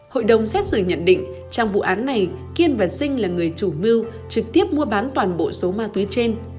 hội đồng xét xử nhận định trong vụ án này kiên và sinh là người chủ mưu trực tiếp mua bán toàn bộ số ma túy trên